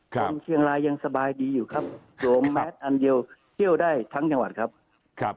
คนเชียงรายยังสบายดีอยู่ครับสวมแมสอันเดียวเที่ยวได้ทั้งจังหวัดครับ